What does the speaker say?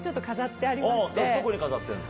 どこに飾ってんの？